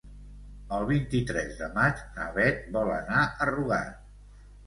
El vint-i-tres de maig na Bet vol anar a Rugat.